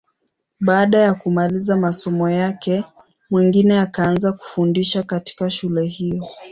Baada ya kumaliza masomo yake, Mwingine akaanza kufundisha katika shule hiyo.